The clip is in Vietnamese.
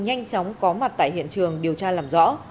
nhanh chóng có mặt tại hiện trường điều tra làm rõ